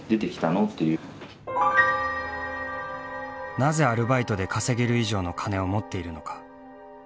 なぜアルバイトで稼げる以上の金を持っているのか。